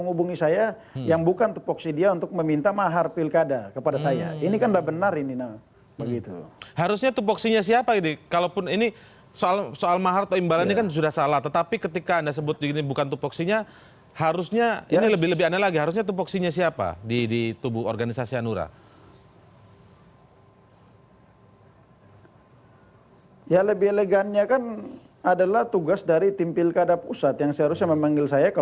nah saya pikir ini tidak benar juga